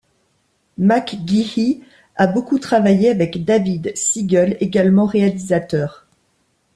Mc Gehee a beaucoup travaillé avec David Siegel également réalisateur.